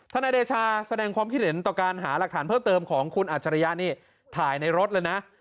นายเดชาแสดงความคิดเห็นต่อการหาหลักฐานเพิ่มเติมของคุณอัจฉริยะนี่ถ่ายในรถเลยนะ